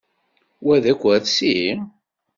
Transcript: Wa d akersi?